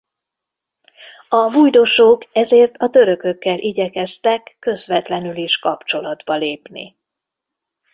A bujdosók ezért a törökökkel igyekeztek közvetlenül is kapcsolatba lépni.